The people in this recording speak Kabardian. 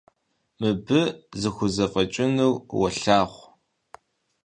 Мыбы хузэфӀэкӀынур уолъагъу.